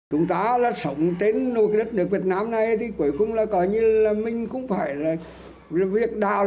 chúng ta là sống trên đất nước việt nam này thì cuối cùng là mình cũng phải là việc đào